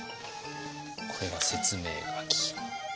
これが説明書き。